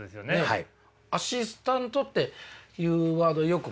はい。